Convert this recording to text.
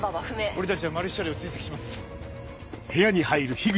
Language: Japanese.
俺たちはマルヒ車両を追跡します。